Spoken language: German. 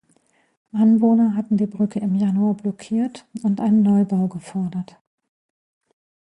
Anwohner hatten die Brücke im Januar blockiert und einen Neubau gefordert.